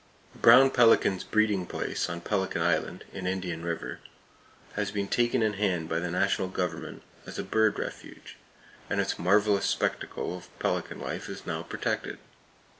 The brown pelicans' breeding place on Pelican Island, in Indian River, has been taken in hand by the national government as a bird refuge, and its marvelous spectacle of pelican life is now protected.